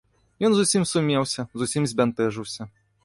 Ён зусім сумеўся, зусім збянтэжыўся.